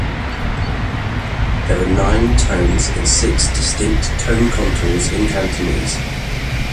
There are nine tones in six distinct tone contours in Cantonese.